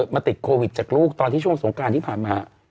มาติดโควิดจากลูกตอนที่ช่วงสงการที่ผ่านมา